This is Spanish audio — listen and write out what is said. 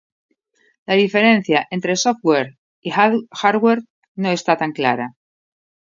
La diferencia entre software y hardware no está tan clara